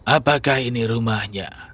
apakah ini rumahnya